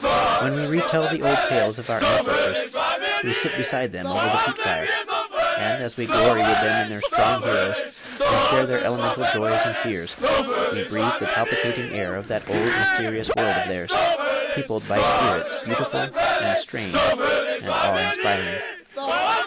When we re tell the old tales of our ancestors, we sit beside them over the peat fire; and, as we glory with them in their strong heroes, and share their elemental joys and fears, we breathe the palpitating air of that old mysterious world of theirs, peopled by spirits beautiful, and strange, and awe inspiring.